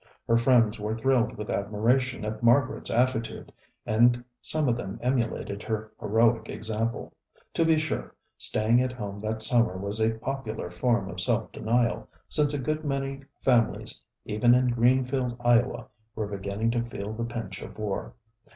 Her friends were thrilled with admiration at Margaret's attitude, and some of them emulated her heroic example. To be sure, staying at home that summer was a popular form of self denial, since a good many families, even in Greenfield, Iowa, were beginning to feel the pinch of war.